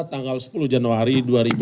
tanggal sepuluh januari dua ribu dua puluh